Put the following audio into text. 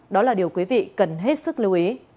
đó là điều quý vị cần hết sức lưu ý